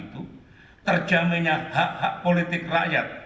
untuk terjaminnya hak hak politik rakyat